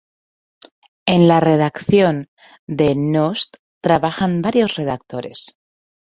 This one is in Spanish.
En la redacción de n-ost trabajan varios redactores.